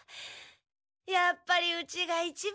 やっぱりうちが一番。